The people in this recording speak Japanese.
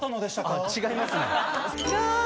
あ違いますね。